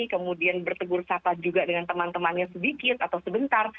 kemudian bertegur sapa juga dengan teman temannya sedikit atau sebentar